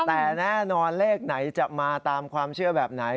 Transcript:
แต่แน่นอนเลขไหนจะมาตามความเชื่อแบบไหน